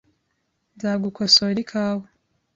Nzagukosora ikawa .